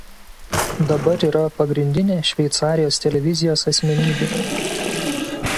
Dabar yra pagrindinė Šveicarijos televizijos asmenybė.